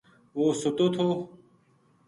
وہ ستو تھو